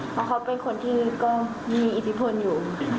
เพราะเขาเป็นคนที่ก็มีอิทธิพลอยู่